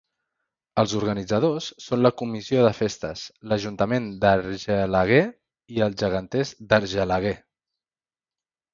Els organitzadors són la Comissió de festes, l'Ajuntament d'Argelaguer i els Geganters d'Argelaguer.